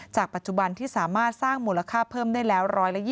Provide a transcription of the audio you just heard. ปัจจุบันที่สามารถสร้างมูลค่าเพิ่มได้แล้ว๑๒๐